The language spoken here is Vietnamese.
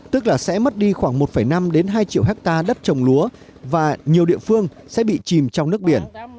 tức là sẽ mất đi khoảng một năm hai triệu hectare đất trồng lúa và nhiều địa phương sẽ bị chìm trong nước biển